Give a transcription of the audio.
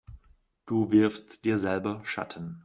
Du wirfst dir selber Schatten.